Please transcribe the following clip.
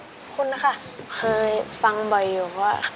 ขอบคุณนะคะเคยฟังบ่อยอยู่ว่า